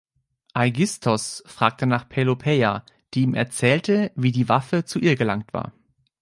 Aigisthos fragte nach Pelopeia, die ihm erzählte, wie die Waffe zu ihr gelangt war.